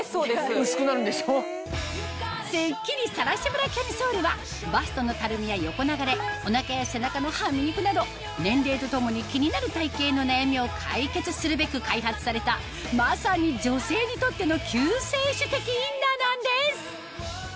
ブラキャミソールはバストのたるみや横流れお腹や背中のハミ肉など年齢とともに気になる体形の悩みを解決するべく開発されたまさに女性にとっての救世主的インナーなんです！